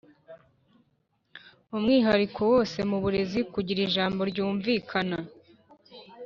umwihariko wose mu burezi kugira ijambo ryumvikana